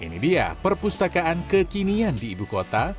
ini dia perpustakaan kekinian di ibu kota